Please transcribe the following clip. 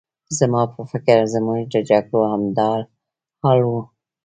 زما په فکر زموږ د جګړو همدا حال و.